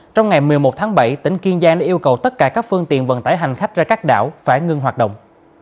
trong ngày một mươi một tháng bảy tỉnh kiên giang đã yêu cầu tất cả các phương tiện vận tải hành khách ra các đảo phải ngưng hoạt động